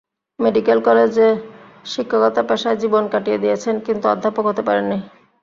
Medical কলেজে শিক্ষকতা পেশায় জীবন কাটিয়ে দিয়েছেন, কিন্তু অধ্যাপক হতে পারেননি।